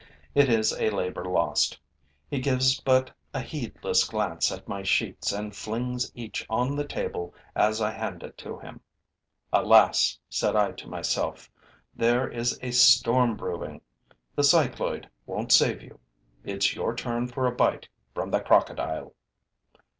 It is labor lost: he gives but a heedless glance at my sheets and flings each on the table as I hand it to him. 'Alas!' said I to myself. 'There is a storm brewing; the cycloid won't save you; it's your turn for a bite from the Crocodile!'